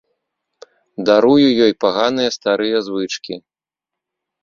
Дарую ёй паганыя старыя звычкі.